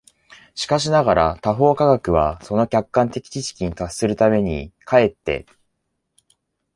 しかしながら他方科学は、その客観的知識に達するために、却って